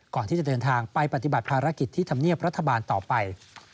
ก่อนที่จะเดินทางไปปฏิบัติภารกิจที่ธรรมเนียบรัฐบาลต่อไป